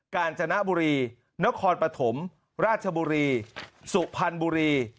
กาญจนบุรีนครปฐมราชบุรีสุพรรณบุรี